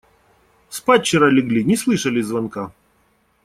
Спать вчера легли, не слышали звонка.